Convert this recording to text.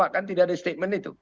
kan tidak ada statement itu